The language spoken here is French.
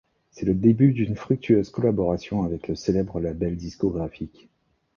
C'est le début d'une fructueuse collaboration avec le célèbre label discographique.